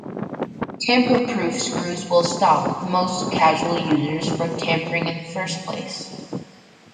Tamper proof screws will stop most casual users from tampering in the first place.